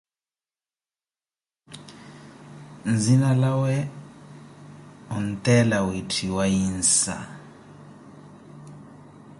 Nzinalawe onteela wiitthiwa Yinsa.